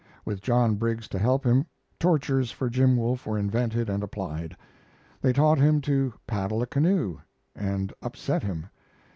With John Briggs to help him, tortures for Jim Wolfe were invented and applied. They taught him to paddle a canoe, and upset him.